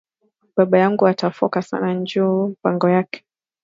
Baba yangu ata foka sana nju ya mpango yake